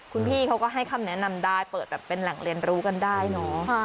คุณพี่เขาก็ให้คำแนะนำได้เปิดแบบเป็นแหล่งเรียนรู้กันได้เนอะ